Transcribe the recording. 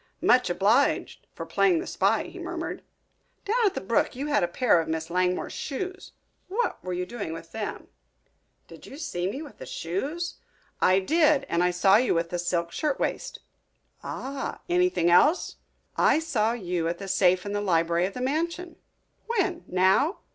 "Much obliged for playing the spy," he murmured. "Down at the brook you had a pair of Miss Langmore's shoes. What were you doing with them?" "Did you see me with the shoes?" "I did, and I saw you with the silk shirtwaist." "Ah! Anything else?" "I saw you at the safe in the library of the mansion." "When, now?"